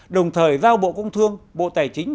đồng thời giao bộ công thương bộ tài chính